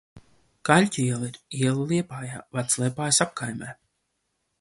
Kaļķu iela ir iela Liepājā, Vecliepājas apkaimē.